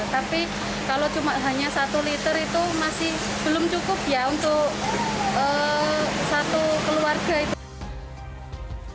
tapi kalau hanya satu liter itu masih belum cukup ya untuk satu keluarga itu